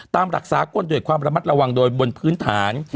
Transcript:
ตามหลักสากลด้วยความระมัดระวังโดยบนพื้นฐาน